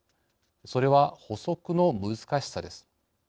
それは捕捉の難しさです。